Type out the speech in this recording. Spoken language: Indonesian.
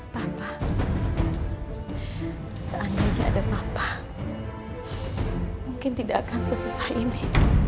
papa seandainya ada papa mungkin tidak akan sesusah ini